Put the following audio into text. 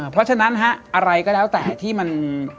เพราะฉะนั้นอะไรก็แล้วแต่ที่มัน